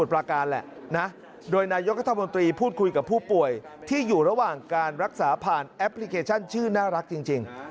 ที่พูดคุยกับผู้ป่วยที่อยู่ระหว่างการรักษาผ่านแอปพลิเคชันชื่อน่ารักจริง